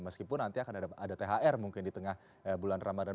meskipun nanti akan ada thr mungkin di tengah bulan ramadan